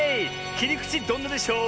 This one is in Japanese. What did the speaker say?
「きりくちどんなでショー」